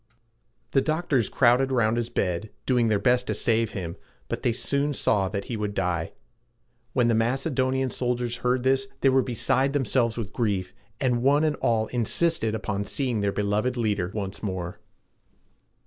The doctors crowded around his bed, doing their best to save him, but they soon saw that he would die. When the Macedonian soldiers heard this, they were beside themselves with grief, and one and all insisted upon seeing their beloved leader once more.